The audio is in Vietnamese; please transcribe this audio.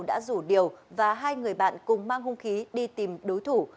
đã rủ điều và hai người bạn cùng mang hung khí đi tìm đối thủ